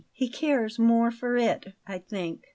He cares more for it, I think."